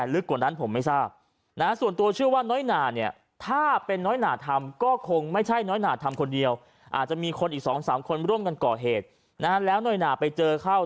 แล้วหน่อยหน่าไปเจอเข้า